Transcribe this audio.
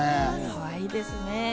かわいいですね。